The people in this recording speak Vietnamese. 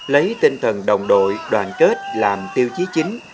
lấy tinh thần đồng đội đoàn kết làm tiêu chí chính